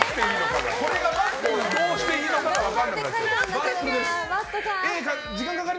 どうしていいのかが分からない。